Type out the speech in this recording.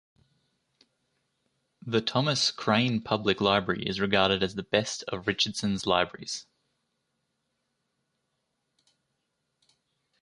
The Thomas Crane Public Library is regarded as the best of Richardson's libraries.